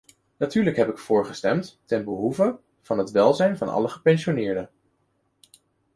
Natuurlijk heb ik voor gestemd, ten behoeve van het welzijn van alle gepensioneerden.